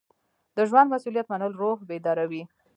د ژوند مسؤلیت منل روح بیداروي.